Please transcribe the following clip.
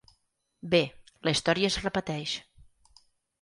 Bé, la història es repeteix.